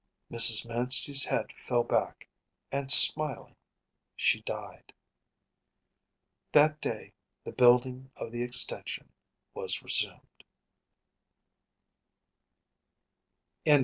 Mrs. Manstey’s head fell back and smiling she died. That day the building of the extension was resumed.